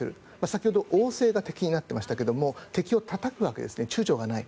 先ほど王政が敵になっていましたが敵をたたくわけですね躊躇がない。